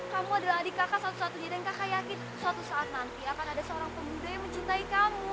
kamu adalah adik kakak satu satunya dan kakak yakin suatu saat nanti akan ada seorang pemuda yang mencintai kamu